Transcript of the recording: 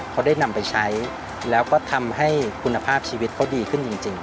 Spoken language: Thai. เขาได้นำไปใช้แล้วก็ทำให้คุณภาพชีวิตเขาดีขึ้นจริง